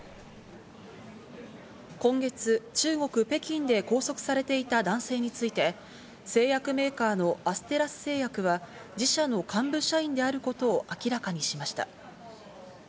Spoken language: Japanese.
今月、中国・北京で拘束されていた男性について、製薬メーカーのアステラス製薬は、自社の幹部社員であることを明らかにしました。